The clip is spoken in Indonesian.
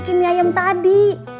kayak mie ayam tadi